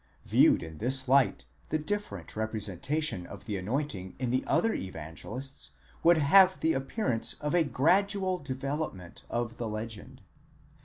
Viewed in this light the different representation of the anointing in the other Evangelists would have the appearance of a gradual development of the legend.